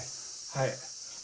はい。